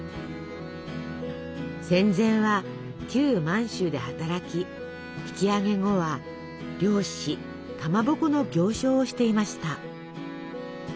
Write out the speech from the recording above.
戦前は旧満州で働き引き揚げ後は漁師かまぼこの行商をしていました。